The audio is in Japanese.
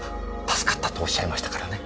助かったとおっしゃいましたからね。